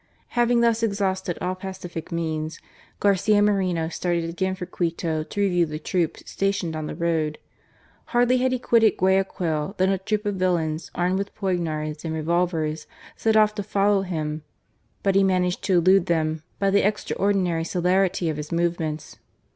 Having thus exhausted all pacific means, •Garcia Moreno started again for Quito to review the troops stationed on the road. Hardly had he quitted Guayaquil than a troop of villains armed with poignards and revolvers set off to foQow him, but he managed to elude them by the extraordinary celerity of his movements.